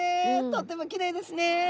とってもきれいですね。